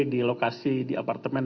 di lokasi di apartemen